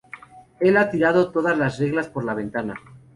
Él ha tirado todas las reglas por la ventana.